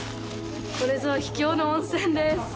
これぞ秘境の温泉です。